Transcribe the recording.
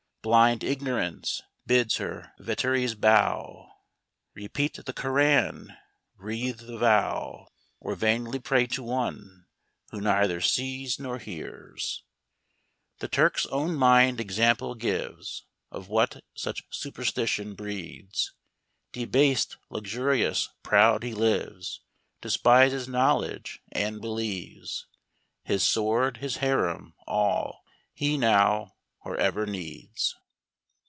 Blind ignorance bids her votaries bow, Repeat the Koran, breathe the vow, Or vainly pray to one, who neither sees nor hears 1 . 39 TURKEY. \ The Turk's own mind example gives, Of what such superstition breeds; Debased, luxurious, proud, he lives; Despises knowledge, and believes His sword, his haram, all, he now, or ever needs.